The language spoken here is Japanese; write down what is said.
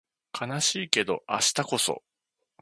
悲しいけど明日こそ